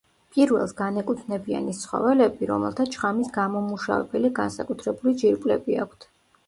პირველს განეკუთვნებიან ის ცხოველები, რომელთაც შხამის გამომმუშავებელი განსაკუთრებული ჯირკვლები აქვთ.